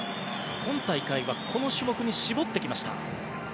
今大会はこの種目に絞ってきました。